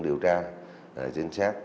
điều tra trinh sát